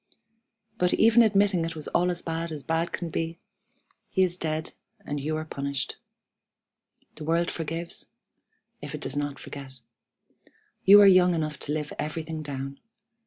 But, even admitting it was all as bad as bad could be, he is dead, and you are punished. The world forgives, if it does not forget. You are young enough to live everything down.